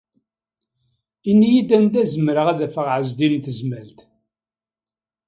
Ini-iyi-d anda i zemreɣ ad afeɣ Ɛezdin n Tezmalt.